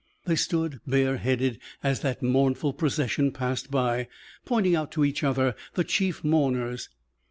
They stood bare headed as that mournful procession passed by, pointing out to each other the chief mourners.